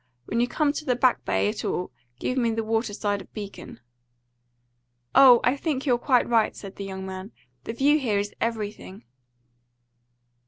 when you come to the Back Bay at all, give me the water side of Beacon." "Oh, I think you're quite right," said the young man. "The view here is everything."